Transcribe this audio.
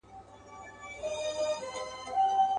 دا به ولاړ وي د زمان به توپانونه راځي.